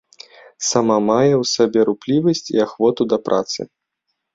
Сама мае ў сабе руплівасць і ахвоту да працы.